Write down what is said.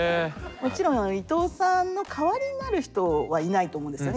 もちろん伊藤さんの代わりになる人はいないと思うんですよね。